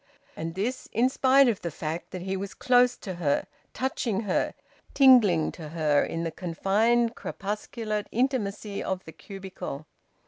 And this, in spite of the fact that he was close to her, touching her, tingling to her in the confined, crepuscular intimacy of the cubicle.